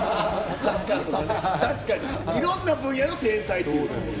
確かにいろんな分野の天才っていうところですか。